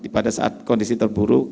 pada saat kondisi terburuk